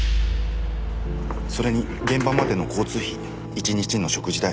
それに現場までの交通費一日の食事代。